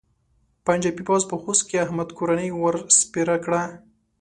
پنجاپي پوځ په خوست کې احمد کورنۍ ور سپېره کړه.